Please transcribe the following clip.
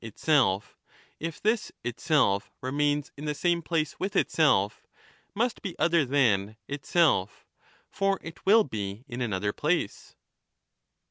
'itself/ if this 'itself remains in the same place with itself, must be other than 'itself/ for it will be in another place?